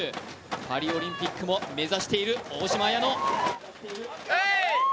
パリオリンピックも目指している大嶋あやの。